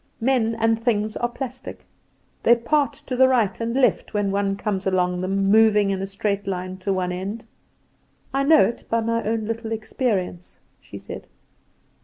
Men and things are plastic; they part to the right and left when one comes among them moving in a straight line to one end. I know it by my own little experience," she said.